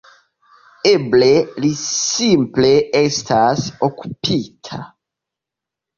Eble li simple estas okupita.